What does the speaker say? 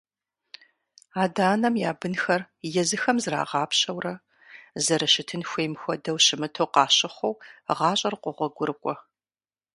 Адэ-анэм я бынхэр езыхэм зрагъапщэурэ, зэрыщытын хуейм хуэдэу щымыту къащыхъуу гъащӀэр къогъуэгурыкӀуэ.